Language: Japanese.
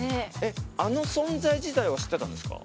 あの存在自体は知ってたんですか？